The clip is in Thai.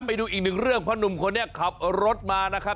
ไปดูอีกหนึ่งเรื่องเพราะหนุ่มคนนี้ขับรถมานะครับ